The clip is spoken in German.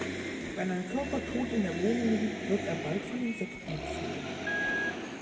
Wenn ein Körper tot in der Wohnung liegt, wird er bald von Insekten befallen.